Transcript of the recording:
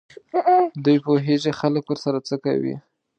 دوی پوهېږي خلک ورسره څه کوي.